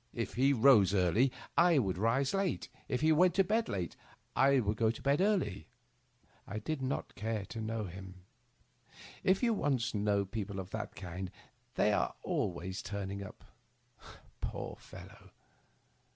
If he rose early, I would rise late ; if he went to bed late, I would go to bed early. I did not care to know him. If you once know people of that kind they are always turning up. Poor fellow